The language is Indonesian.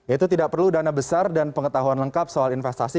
itu tidak perlu dana besar dan pengetahuan lengkap soal investasi